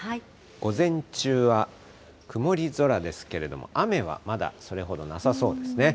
午前中は曇り空ですけれども、雨はまだそれほどなさそうですね。